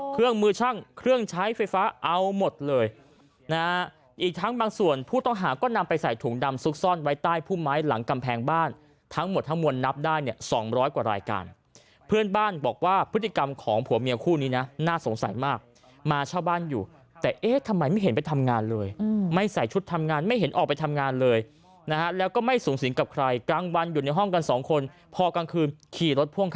ผู้ต่างหาก็นำไปใส่ถุงดำซุกซ่อนไว้ใต้ผู้ไม้หลังกำแพงบ้านทั้งหมดถ้ามวลนับได้เนี่ย๒๐๐กว่ารายการเพื่อนบ้านบอกว่าพฤติกรรมของผัวเมียคู่นี้นะน่าสงสัยมากมาเช่าบ้านอยู่แต่เอ๊ะทำไมไม่เห็นไปทำงานเลยไม่ใส่ชุดทำงานไม่เห็นออกไปทำงานเลยนะแล้วก็ไม่สูงสินกับใครกลางวันอยู่ในห้องกันสองคนพอกลางคืนขี่รถพ่วง